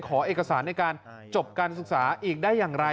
ขอเอกสารในการจบการศึกษาอีกได้อย่างไร